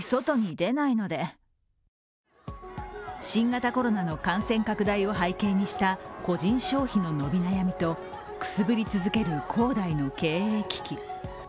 新型コロナの感染拡大を背景にした個人消費の伸び悩みとくすぶり続ける恒大の経営危機。